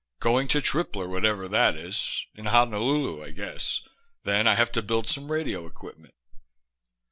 "Going to Tripler, whatever that is. In Honolulu, I guess. Then I have to build some radio equipment."